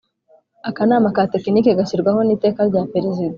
Akanama ka Tekinike gashyirwaho n Iteka rya Perezida